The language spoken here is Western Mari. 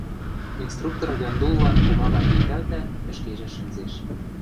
Инструктор Яндуллан пумагам виктӓлтӓ, ӹшкежӹ шӹнзеш.